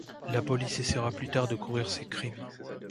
La police essayera plus tard de couvrir ces crimes.